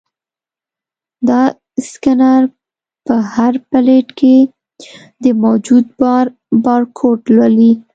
دا سکینر په هر پلیټ کې د موجود بار بارکوډ لولي.